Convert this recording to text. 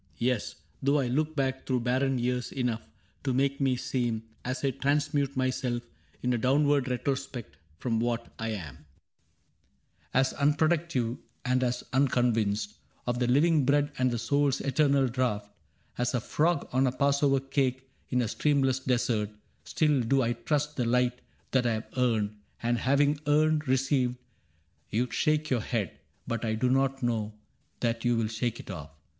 Yes, Though I look back through barren years enough To make me seem — as I transmute myself In a downward retrospect from what I am — 34 CAPTAIN CRAIG As unproductive and as unconvinced Of the living bread and the soul's eternal draught As a frog on a Passover cake in a streamless desert, — Still do I trust the light that I have earned, And having earned, received. You shake your head, But I do not know that you will shake it off.